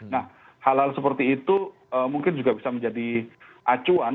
nah hal hal seperti itu mungkin juga bisa menjadi acuan